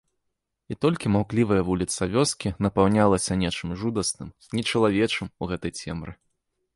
І толькі маўклівая вуліца вёскі напаўнялася нечым жудасным, нечалавечым у гэтай цемры.